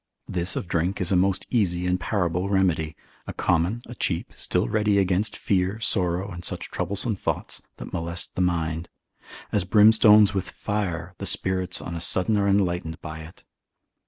This of drink is a most easy and parable remedy, a common, a cheap, still ready against fear, sorrow, and such troublesome thoughts, that molest the mind; as brimstone with fire, the spirits on a sudden are enlightened by it.